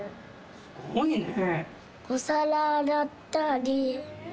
すごいね。